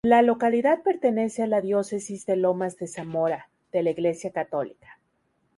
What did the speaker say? La localidad pertenece a la Diócesis de Lomas de Zamora de la Iglesia católica.